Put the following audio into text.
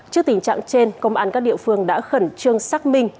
trước tình trạng trên công an các địa phương đã khẩn trương xác minh